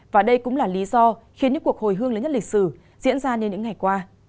và đây cũng là lý do khiến những cuộc hồi hương lớn nhất lịch sử diễn ra như những ngày qua